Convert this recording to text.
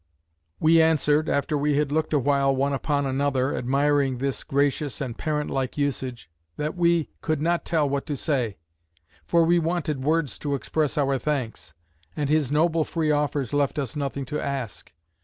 We answered, after we had looked awhile one upon another, admiring this gracious and parent like usage; "That we could not tell what to say: for we wanted words to express our thanks; and his noble free offers left us nothing to ask.